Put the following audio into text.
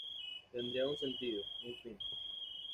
Tendría un sentido, un fin.